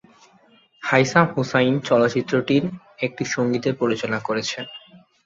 হাইসাম হুসাইন চলচ্চিত্রটির একটি সঙ্গীতের পরিচালনা করেছেন।